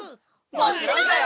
もちろんだよ！